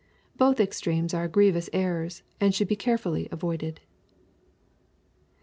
Both extremes are grievous errors, and should be carefully avoided.